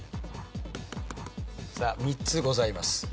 さあ３つございます。